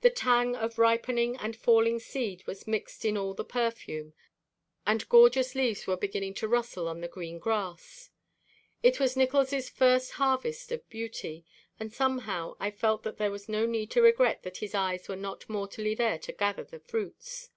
The tang of ripening and falling seed was mixed in all the perfume, and gorgeous leaves were beginning to rustle on the green grass. It was Nickols' first harvest of beauty, and somehow I felt that there was no need to regret that his eyes were not mortally there to gather the fruits.